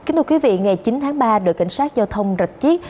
ngày chín tháng ba đội cảnh sát giao thông rạch chiết